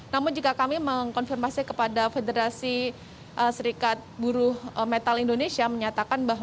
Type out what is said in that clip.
namun jika kami mengkonfirmasi kepada federasi serikat buruh metal indonesia menyatakan bahwa